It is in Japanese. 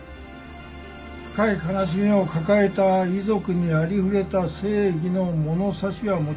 深い悲しみを抱えた遺族にありふれた正義の物差しは持ち出せない。